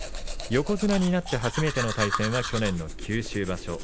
横綱になって初めての対戦は去年の九州場所